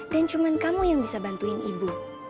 dan cuma kamu yang bisa bantuin ibu